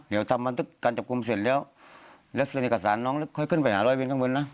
เดี๋ยวทำบันทึกการจับกลุ่มเสร็จแล้วแล้วเซ็นเอกสารน้องค่อยขึ้นไปหาร้อยเวนข้างบนนะ